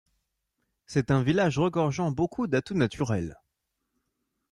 C'est un village regorgeant beaucoup d'atouts naturels.